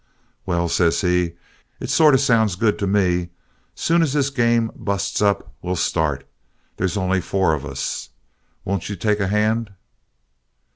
"'Well,' says he, 'it sort of sounds good to me. Soon as this game busts up we'll start. They's only four of us. Won't you take a hand?'